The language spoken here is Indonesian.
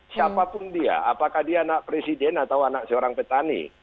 siapapun dia apakah dia anak presiden atau anak seorang petani